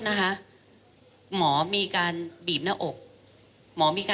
ในอาการที่คุณเป็นมา